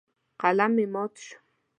قلم مې مات شو.